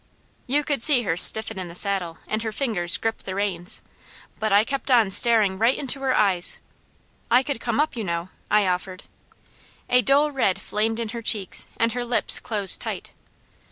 You could see her stiffen in the saddle and her fingers grip the reins, but I kept on staring right into her eyes. "I could come up, you know," I offered. A dull red flamed in her cheeks and her lips closed tight.